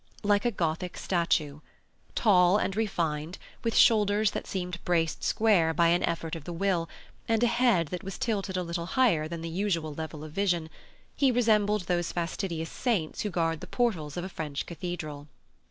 Like a Gothic statue. Tall and refined, with shoulders that seemed braced square by an effort of the will, and a head that was tilted a little higher than the usual level of vision, he resembled those fastidious saints who guard the portals of a French cathedral.